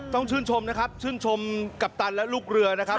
ต้องชื่นชมนะครับชื่นชมกัปตันและลูกเรือนะครับ